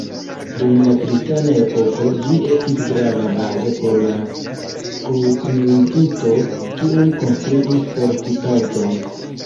Dum la kristana epoko, ĝi estis grava bazo por la krucmilitistoj, kiuj konstruis fortikaĵon.